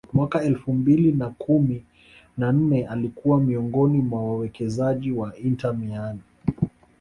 mwaka elfu mbili na kumi na nne alikuwa miongoni mwa wawekezaji wa Inter Miami